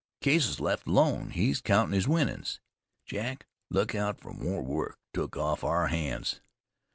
"Case's left alone. He's countin' his winnin's. Jack, look out fer more work took off our hands."